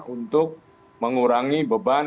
untuk mengurangi beban